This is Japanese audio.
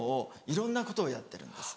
いろんなことをやってるんです。